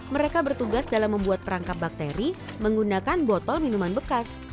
mereka bertugas dalam membuat perangkap bakteri menggunakan botol minuman bekas